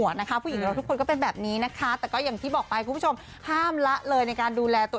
วิ่งตามทะเลจ้า